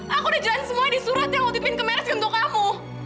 aku udah jelasin semuanya di surat yang aku tipin ke meris untuk kamu